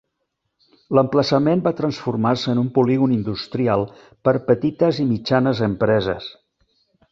L'emplaçament va transformar-se en un polígon industrial per petites i mitjanes empreses.